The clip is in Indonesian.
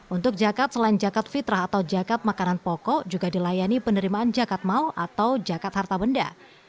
untuk zakat selain zakat fitrah atau zakat makanan pokok juga dilayani penerimaan zakat maul atau zakat harta benda